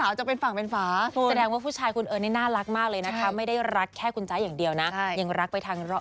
อายจะโอเคไหมถ้าทุกพี่เนี่ยจะขอจ๊ะแต่งงาน